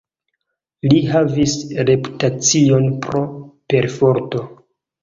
Li havis reputacion pro perforto.